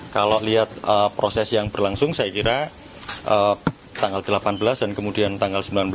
kalau lihat proses yang berlangsung saya kira tanggal delapan belas dan kemudian tanggal sembilan belas